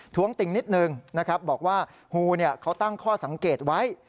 ถ้วงติ่งนิดหนึ่งบอกว่าฮูตั้งข้อสังเกตไว้